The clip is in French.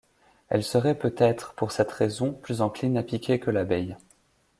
Elle serait peut-être - pour cette raison - plus encline à piquer que l'abeille.